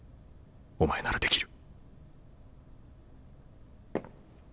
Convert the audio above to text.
お前ならできる。